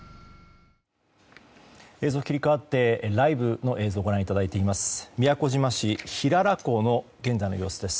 映像が切り替わってライブの映像をご覧いただいております。